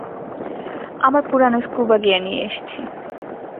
আমার পুরানো scuba gear নিয়ে এসেছি।